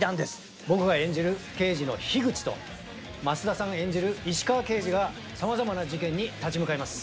僕が演じる刑事の樋口と増田さんが演じる石川刑事がさまざまな事件に立ち向かいます。